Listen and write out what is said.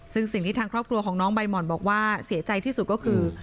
ซึ่งสิ่งที่ทางครอบครัวของน้องใบหม่อนบอกว่าเสียใจที่สุดก็คือ